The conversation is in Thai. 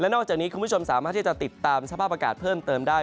นอกจากนี้คุณผู้ชมสามารถที่จะติดตามสภาพอากาศเพิ่มเติมได้